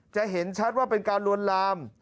เห็นชัดว่าเป็นการลวนลาม